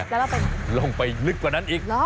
แล้วเราไปลงไปลึกกว่านั้นอีก